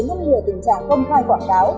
giúp người tình trạng công khai quảng cáo